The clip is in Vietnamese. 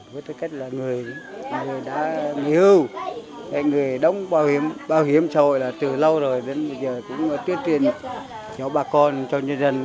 bản thân tôi là người đã nghêu người đóng bảo hiểm xã hội là từ lâu rồi đến bây giờ cũng tiếp truyền cho bà con cho nhân dân